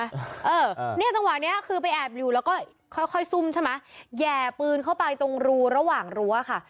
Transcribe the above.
เออเนี่ยจังหวะนี้คือไปแอบอยู่แล้วก็ค่อยค่อยซุ่มใช่ไหมแห่ปืนเข้าไปตรงรูระหว่างรั้วค่ะ